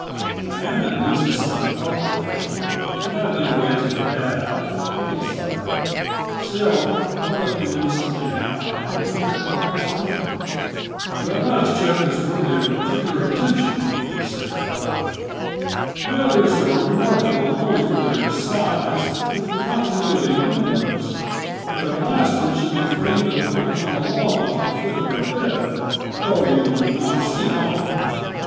I had been losing some at poker lately, and I'd been away to the bad out at Ingleside; still, I looked him innocently in the eye and wondered what was coming. "That last check is worthy of particular attention," he said dryly. "The others are remarkable only for their size and continuity of numbers; but that last one should be framed and hung upon the wall at the foot of your bed, though you would not see it often.